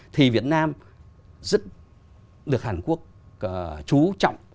thì việt nam rất được hàn quốc chú trọng